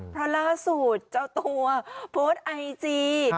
พระลาสุทธิ์เจ้าตัวโพสต์ไอจี